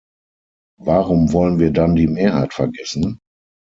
Warum wollen wir dann die Mehrheit vergessen?